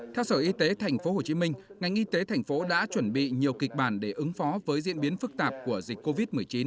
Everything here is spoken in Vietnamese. theo sở y tế tp hcm ngành y tế thành phố đã chuẩn bị nhiều kịch bản để ứng phó với diễn biến phức tạp của dịch covid một mươi chín